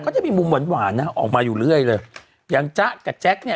จะมีมุมหวานหวานนะออกมาอยู่เรื่อยเลยอย่างจ๊ะกับแจ๊คเนี่ย